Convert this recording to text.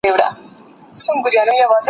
د اقلیم عدالت د راتلونکي لپاره مهم دی.